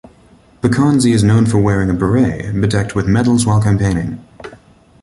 Pokonzie is known for wearing a beret bedecked with medals while campaigning.